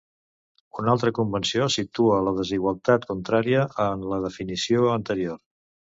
Una altra convenció situa la desigualtat contrària en la definició anterior.